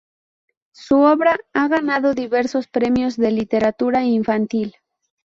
Su obra ha ganado diversos premios de literatura infantil.